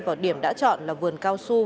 vào điểm đã chọn là vườn cao su